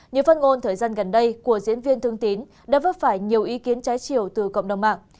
những phát ngôn thời gian gần đây của diễn viên thương tín đã vấp phải nhiều ý kiến trái chiều từ cộng đồng mạng